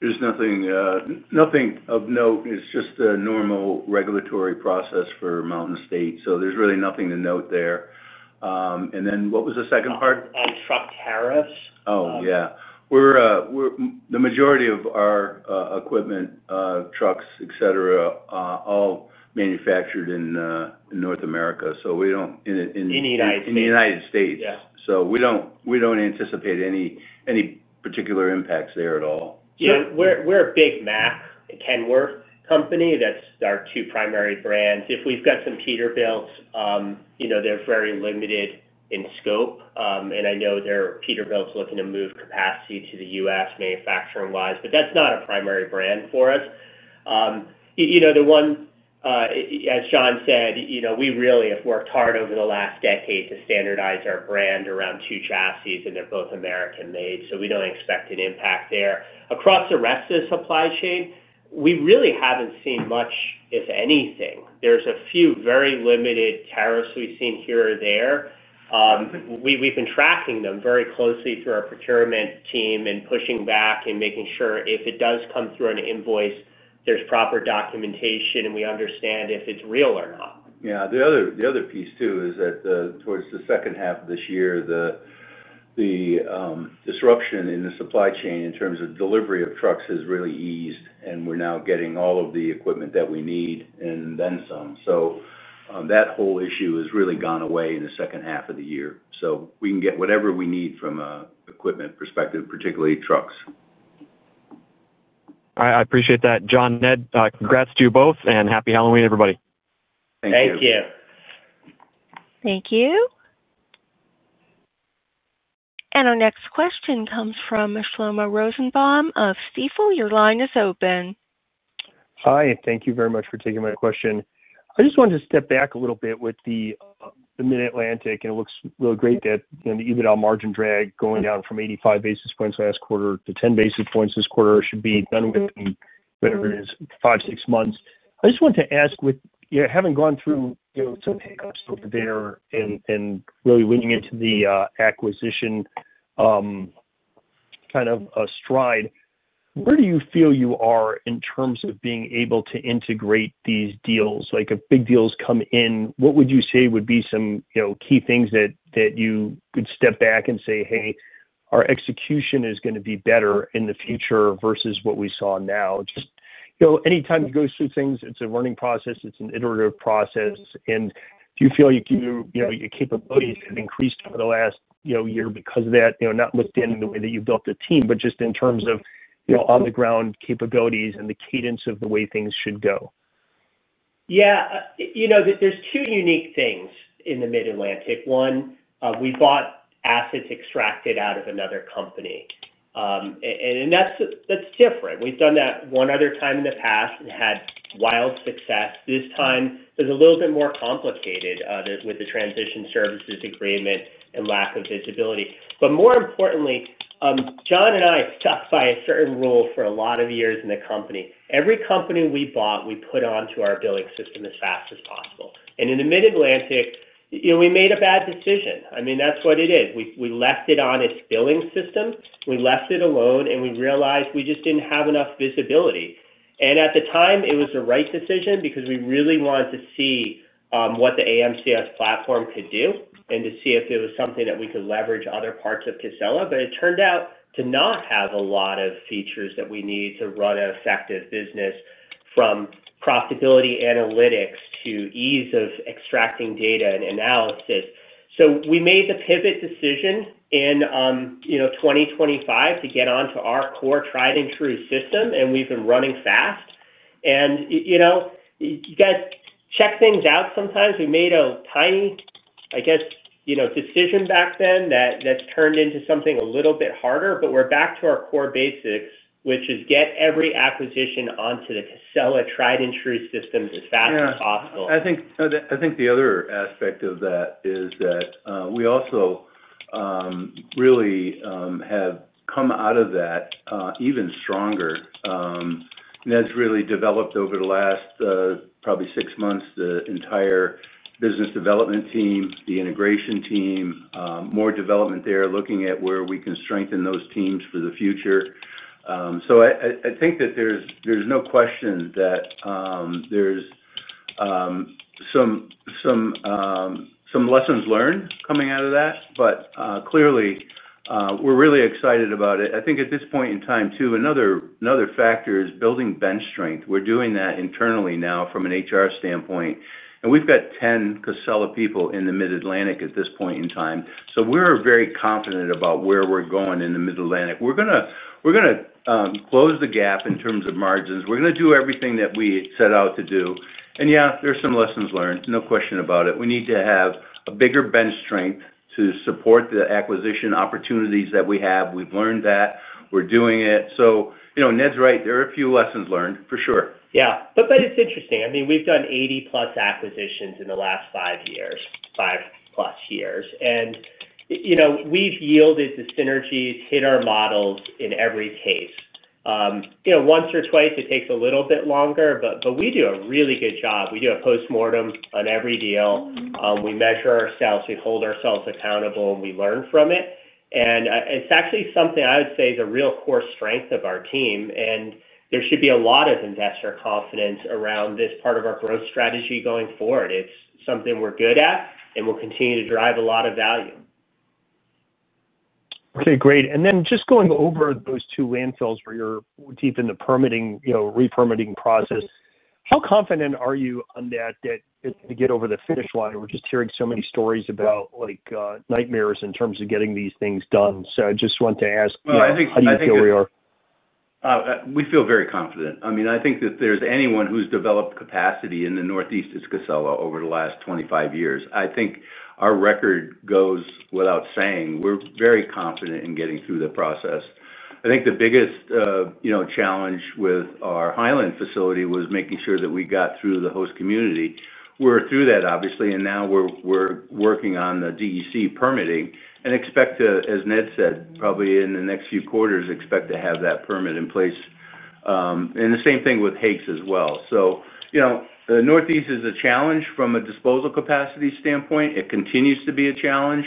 There's nothing of note. It's just a normal regulatory process for Mountain State, so there's really nothing to note there. What was the second part? On truck tariffs. Oh, yeah. The majority of our equipment, trucks, etc., are all manufactured in North America, so we don't. In the U.S. In the U.S., we don't anticipate any particular impacts there at all. Yeah. We're a big Mack, Kenworth company. That's our two primary brands. We've got some Peterbilts, they're very limited in scope. I know there are Peterbilts looking to move capacity to the U.S. manufacturing-wise, but that's not a primary brand for us. The one, as Sean said, we really have worked hard over the last decade to standardize our brand around two chassis, and they're both American-made. We don't expect an impact there. Across the rest of the supply chain, we really haven't seen much, if anything. There's a few very limited tariffs we've seen here or there. We've been tracking them very closely through our procurement team and pushing back, making sure if it does come through an invoice, there's proper documentation and we understand if it's real or not. Yeah. The other piece too is that towards the second half of this year, the disruption in the supply chain in terms of delivery of trucks has really eased, and we're now getting all of the equipment that we need and then some. That whole issue has really gone away in the second half of the year. We can get whatever we need from an equipment perspective, particularly trucks. I appreciate that. John, Ned, congrats to you both, and happy Halloween, everybody. Thank you. Thank you. Thank you. Our next question comes from Shlomo Rosenbaum of Stifel. Your line is open. Hi. Thank you very much for taking my question. I just wanted to step back a little bit with the Mid-Atlantic, and it looks really great that the EBITDA margin drag going down from 85 basis points last quarter to 10 basis points this quarter should be done within five to six months. I just wanted to ask, having gone through some hiccups over there and really leaning into the acquisition kind of stride, where do you feel you are in terms of being able to integrate these deals? If big deals come in, what would you say would be some key things that you could step back and say, "Hey, our execution is going to be better in the future versus what we saw now"? Anytime you go through things, it's a learning process. It's an iterative process. Do you feel like your capabilities have increased over the last year because of that, not within the way that you've built the team, but just in terms of on-the-ground capabilities and the cadence of the way things should go? Yeah. There are two unique things in the Mid-Atlantic. One, we bought assets extracted out of another company. That's different. We've done that one other time in the past and had wild success. This time, it's a little bit more complicated with the transition services agreement and lack of visibility. More importantly, John and I stuck by a certain rule for a lot of years in the company. Every company we bought, we put onto our billing system as fast as possible. In the Mid-Atlantic, we made a bad decision. I mean, that's what it is. We left it on its billing system. We left it alone, and we realized we just didn't have enough visibility. At the time, it was the right decision because we really wanted to see what the AMCS platform could do and to see if it was something that we could leverage in other parts of Casella. It turned out to not have a lot of features that we need to run an effective business, from profitability analytics to ease of extracting data and analysis. We made the pivot decision in 2025 to get onto our core tried-and-true system, and we've been running fast. You guys check things out sometimes. We made a tiny, I guess, decision back then that's turned into something a little bit harder, but we're back to our core basics, which is get every acquisition onto the Casella tried-and-true system as fast as possible. Yeah. I think the other aspect of that is that we also really have come out of that even stronger. Ned's really developed over the last probably six months the entire business development team, the integration team, more development there, looking at where we can strengthen those teams for the future. I think that there's no question that there's some lessons learned coming out of that, but clearly we're really excited about it. I think at this point in time too, another factor is building bench strength. We're doing that internally now from an HR standpoint, and we've got 10 Casella people in the Mid-Atlantic at this point in time. We're very confident about where we're going in the Mid-Atlantic. We're going to close the gap in terms of margins. We're going to do everything that we set out to do. Yeah, there's some lessons learned, no question about it. We need to have a bigger bench strength to support the acquisition opportunities that we have. We've learned that. We're doing it. Ned's right. There are a few lessons learned, for sure. That is interesting. I mean, we've done 80+ acquisitions in the last five years, five-plus years. We've yielded the synergies, hit our models in every case. Once or twice, it takes a little bit longer, but we do a really good job. We do a postmortem on every deal. We measure ourselves, we hold ourselves accountable, and we learn from it. It's actually something I would say is a real core strength of our team. There should be a lot of investor confidence around this part of our growth strategy going forward. It's something we're good at, and we'll continue to drive a lot of value. Okay. Great. Just going over those two landfills where you're deep in the permitting, repermitting process, how confident are you on that, that it's going to get over the finish line? We're just hearing so many stories about nightmares in terms of getting these things done. I just wanted to ask. How do you feel we are? We feel very confident. I mean, I think that if there's anyone who's developed capacity in the Northeast, it's Casella over the last 25 years. I think our record goes without saying. We're very confident in getting through the process. I think the biggest challenge with our Highland facility was making sure that we got through the host community. We're through that, obviously, and now we're working on the DEC permitting and expect to, as Ned said, probably in the next few quarters, expect to have that permit in place. The same thing with Hakes as well. The Northeast is a challenge from a disposal capacity standpoint. It continues to be a challenge.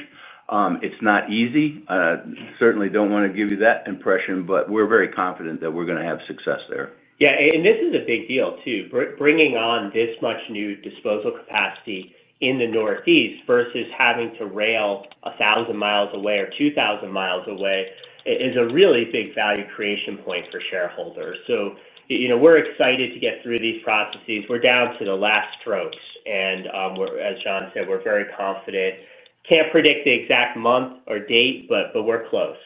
It's not easy. I certainly don't want to give you that impression, but we're very confident that we're going to have success there. This is a big deal too. Bringing on this much new disposal capacity in the Northeast versus having to rail 1,000 mi away or 2,000 mi away is a really big value creation point for shareholders. We're excited to get through these processes. We're down to the last strokes. As John said, we're very confident. Can't predict the exact month or date, but we're close.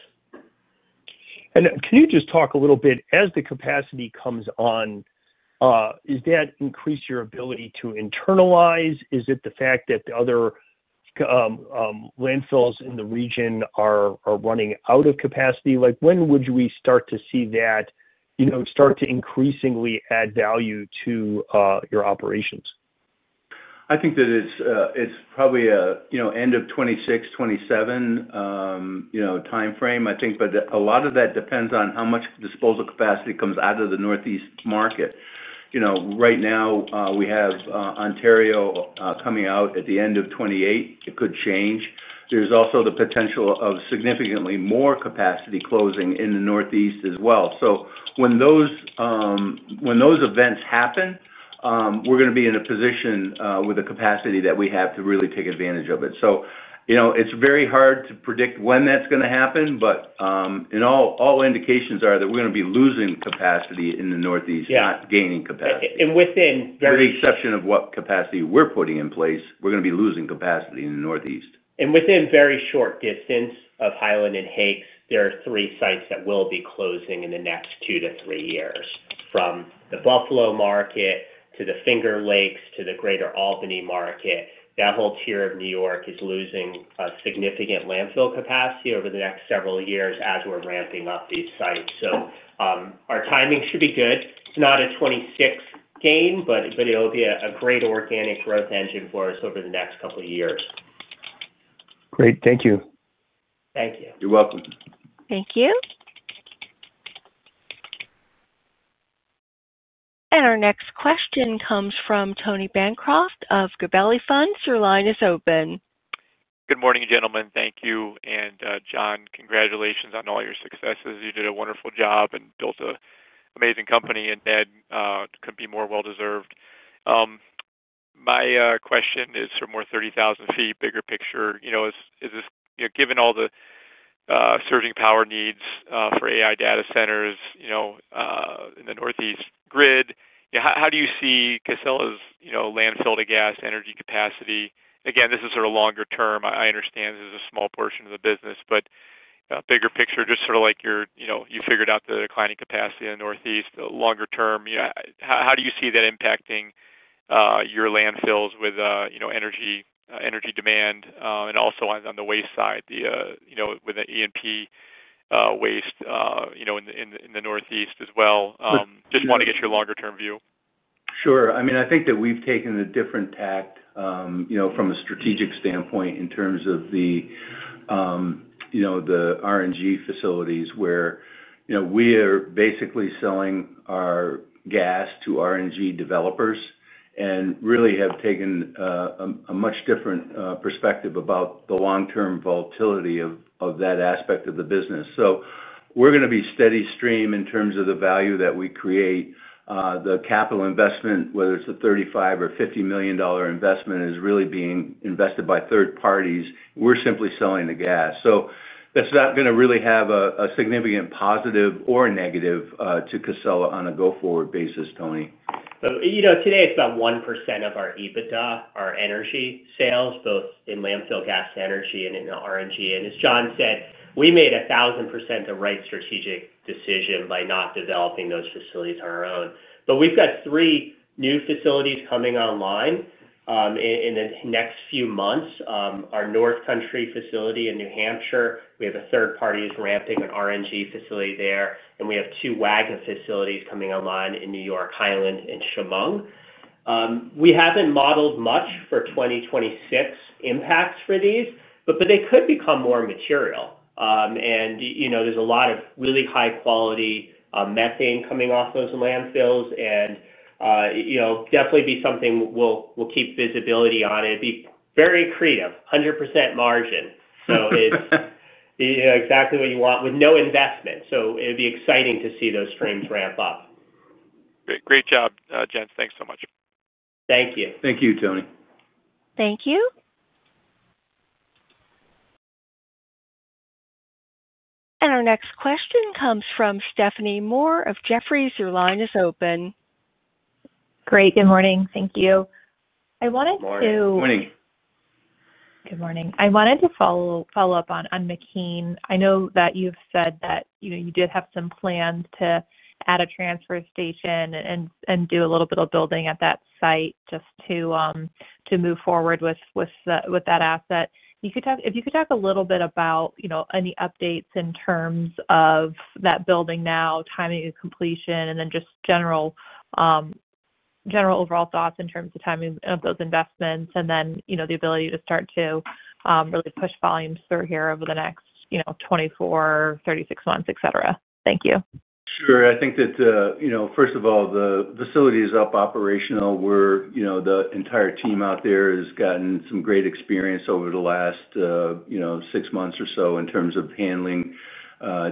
Can you just talk a little bit, as the capacity comes on? Does that increase your ability to internalize? Is it the fact that the other landfills in the region are running out of capacity? When would we start to see that start to increasingly add value to your operations? I think that it's probably an end of 2026, 2027 timeframe, I think. A lot of that depends on how much disposal capacity comes out of the Northeast market. Right now, we have Ontario coming out at the end of 2028. It could change. There's also the potential of significantly more capacity closing in the Northeast as well. When those events happen, we're going to be in a position with the capacity that we have to really take advantage of it. It is very hard to predict when that's going to happen, but all indications are that we're going to be losing capacity in the Northeast, not gaining capacity. Within very short. With the exception of what capacity we're putting in place, we're going to be losing capacity in the Northeast. Within very short distance of Highland and Hake’s, there are three sites that will be closing in the next two to three years. From the Buffalo market to the Finger Lakes to the Greater Albany market, that whole tier of New York is losing significant landfill capacity over the next several years as we're ramping up these sites. Our timing should be good. It's not a 2026 gain, but it'll be a great organic growth engine for us over the next couple of years. Great. Thank you. Thank you. You're welcome. Thank you. Our next question comes from Tony Bancroft of Gabelli Funds. Your line is open. Good morning, gentlemen. Thank you. John, congratulations on all your successes. You did a wonderful job and built an amazing company. Ned couldn't be more well-deserved. My question is for more 30,000 ft, bigger picture. Is this, given all the surging power needs for AI data centers in the Northeast grid, how do you see Casella's landfill to gas energy capacity? Again, this is sort of longer term. I understand this is a small portion of the business, but bigger picture, just sort of like you figured out the declining capacity in the Northeast, the longer term, how do you see that impacting your landfills with energy demand and also on the waste side, with the E&P waste in the Northeast as well? Just want to get your longer-term view. Sure. I mean, I think that we've taken a different tact from a strategic standpoint in terms of the R&G facilities, where we are basically selling our gas to R&G developers and really have taken a much different perspective about the long-term volatility of that aspect of the business. We're going to be steady stream in terms of the value that we create. The capital investment, whether it's a $35 million or $50 million investment, is really being invested by third parties. We're simply selling the gas. That's not going to really have a significant positive or negative to Casella on a go-forward basis, Tony. Today, it's about 1% of our EBITDA, our energy sales, both in landfill gas energy and in R&G. As John said, we made 1,000% the right strategic decision by not developing those facilities on our own. We've got three new facilities coming online in the next few months: our North Country facility in New Hampshire, where we have a third party who's ramping an R&G facility, and we have two Wagon facilities coming online in New York, Highland and Chemung. We haven't modeled much for 2026 impacts for these, but they could become more material. There's a lot of really high-quality methane coming off those landfills. It will definitely be something we'll keep visibility on. It'd be very accretive, 100% margin. It's exactly what you want with no investment. It'd be exciting to see those streams ramp up. Great job, John. Thanks so much. Thank you. Thank you, Tony. Thank you. Our next question comes from Stephanie Moore of Jefferies LLC. Your line is open. Great. Good morning. Thank you. I wanted to. Good morning. Good morning. I wanted to follow up on McKean. I know that you've said that you did have some plans to add a transfer station and do a little bit of building at that site just to move forward with that asset. If you could talk a little bit about any updates in terms of that building now, timing of completion, and then just general overall thoughts in terms of timing of those investments, and then the ability to start to really push volumes through here over the next 24, 36 months, etc. Thank you. Sure. I think that, first of all, the facility is up operational. The entire team out there has gotten some great experience over the last six months or so in terms of handling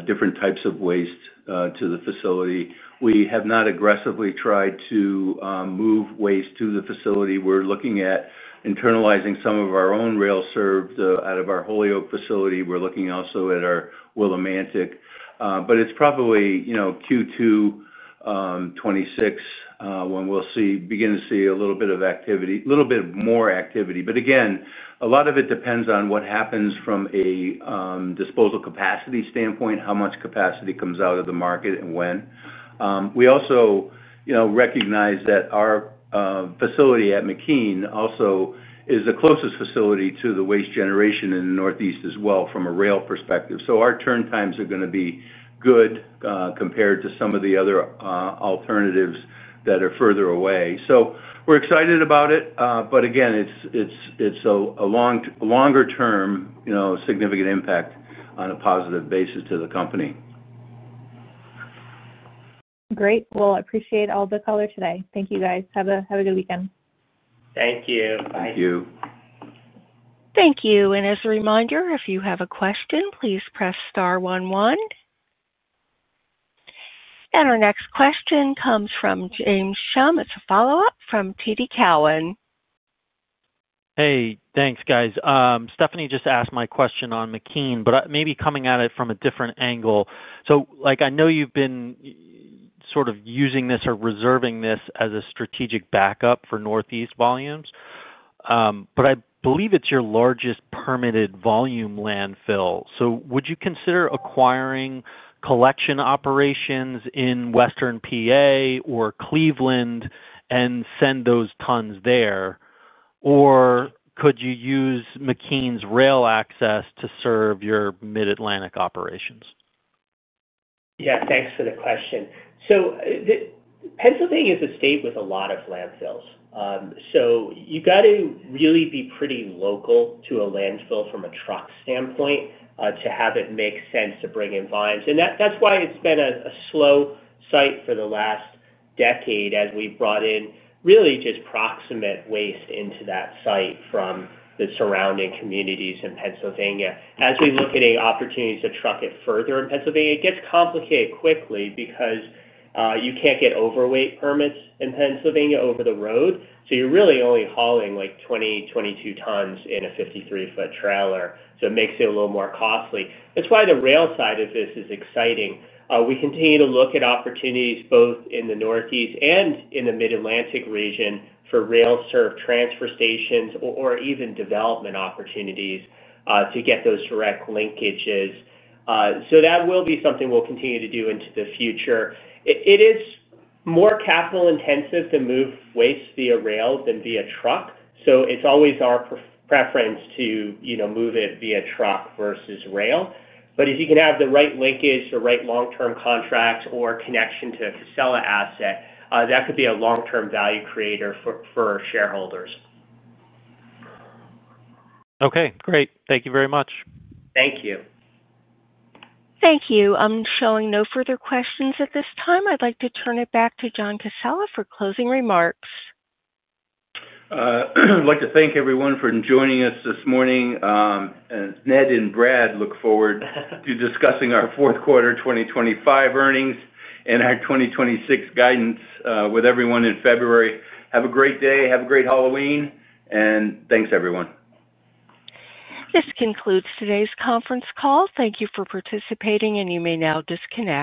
different types of waste to the facility. We have not aggressively tried to move waste to the facility. We're looking at internalizing some of our own rail serve out of our Holyoke facility. We're looking also at our Willimantic, but it's probably Q2 2026 when we'll begin to see a little bit of activity, a little bit more activity. Again, a lot of it depends on what happens from a disposal capacity standpoint, how much capacity comes out of the market, and when. We also recognize that our facility at McKean also is the closest facility to the waste generation in the Northeast as well from a rail perspective. Our turn times are going to be good compared to some of the other alternatives that are further away. We're excited about it. Again, it's a longer-term significant impact on a positive basis to the company. Great. I appreciate all the color today. Thank you, guys. Have a good weekend. Thank you. Bye. Thank you. Thank you. As a reminder, if you have a question, please press star one one. Our next question comes from James Schumm. It's a follow-up from TD Cowen. Hey. Thanks, guys. Stephanie just asked my question on McKean, maybe coming at it from a different angle. I know you've been using this or reserving this as a strategic backup for Northeast volumes. I believe it's your largest permitted volume landfill. Would you consider acquiring collection operations in Western PA or Cleveland and send those tons there? Could you use McKean's rail access to serve your Mid-Atlantic operations? Yeah. Thanks for the question. Pennsylvania is a state with a lot of landfills. You have to really be pretty local to a landfill from a truck standpoint to have it make sense to bring in volumes. That is why it has been a slow site for the last decade as we've brought in really just proximate waste into that site from the surrounding communities in Pennsylvania. As we look at any opportunities to truck it further in Pennsylvania, it gets complicated quickly because you can't get overweight permits in Pennsylvania over the road. You are really only hauling like 20, 22 tons in a 53-foot trailer, so it makes it a little more costly. That is why the rail side of this is exciting. We continue to look at opportunities both in the Northeast and in the Mid-Atlantic region for rail serve transfer stations or even development opportunities to get those direct linkages. That will be something we'll continue to do into the future. It is more capital-intensive to move waste via rail than via truck. It is always our preference to move it via truck versus rail. If you can have the right linkage or right long-term contract or connection to a Casella asset, that could be a long-term value creator for shareholders. Okay. Great. Thank you very much. Thank you. Thank you. I'm showing no further questions at this time. I'd like to turn it back to John Casella for closing remarks. I'd like to thank everyone for joining us this morning. Ned and Brad look forward to discussing our fourth quarter 2025 earnings and our 2026 guidance with everyone in February. Have a great day. Have a great Halloween. Thanks, everyone. This concludes today's conference call. Thank you for participating, and you may now disconnect.